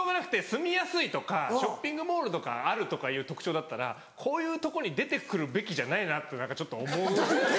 住みやすいとかショッピングモールとかあるとかいう特徴だったらこういうとこに出て来るべきじゃないなってちょっと思う。